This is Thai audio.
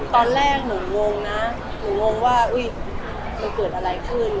ตอนแรกหนูงงนะหนูงงว่ามันเกิดอะไรขึ้น